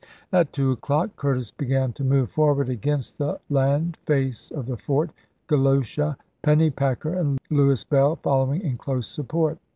Jan. 15,1865. At two o'clock Curtis began to move forward against the land face of the fort ; Gralusha Penny packer and Louis Bell following in close support.